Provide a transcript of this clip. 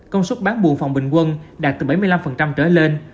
công suất bán bù phòng bình quân đạt từ bảy mươi năm trở lên